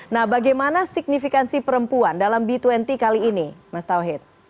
nah bagaimana signifikansi perempuan dalam b dua puluh kali ini mas tauhid